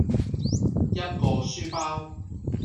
一個書包